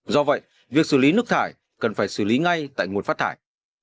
do vậy việc xử lý nước thải cần phải xử lý ngay tại nguồn phát thải